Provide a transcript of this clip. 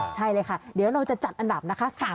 ใช่เลยค่ะเดี๋ยวเราจะจัดอันดับนะคะ